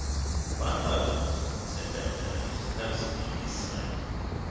"One moment," said Vendale, interposing on his side.